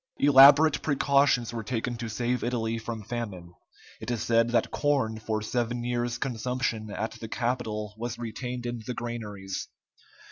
Elaborate precautions were taken to save Italy from famine; it is said that corn for seven years' consumption at the capital was retained in the granaries.